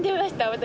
私。